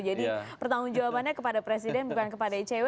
jadi pertanggung jawabannya kepada presiden bukan kepada icw